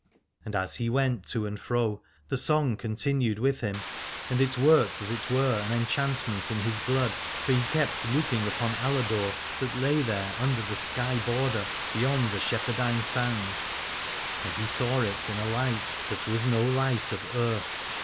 And as he went to and fro the song continued with him, and it worked as it were an enchantment in his blood : for he kept looking upon Aladore, that lay there under the sky border, beyond the Shepherdine Sands, and he saw it in a light that was no light of earth.